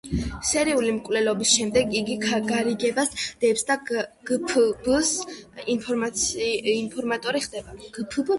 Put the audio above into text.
სერიული მკვლელობების შემდეგ იგი გარიგებას დებს და გფბ-ს ინფორმატორი ხდება.